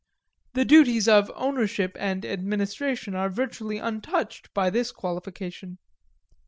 The duties of ownership and administration are virtually untouched by this qualification.